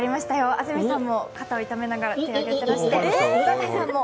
安住さんも肩を痛めながらも手を挙げていましたけども。